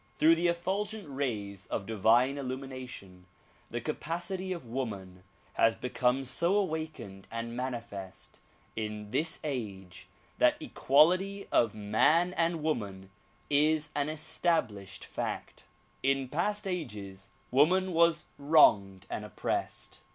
Through the effulgent rays of divine illumination, the capacity of woman has become so awakened and manifest in this age that equality of man and woman is an established fact. In past ages woman was wronged and oppressed.